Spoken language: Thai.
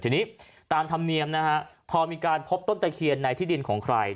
ทีนี้ตามธรรมเนียมนะฮะพอมีการพบต้นตะเคียนในที่ดินของใคร